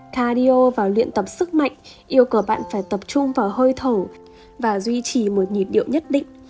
cardio và luyện tập sức mạnh yêu cầu bạn phải tập trung vào hơi thở và duy trì một nhịp điệu nhất định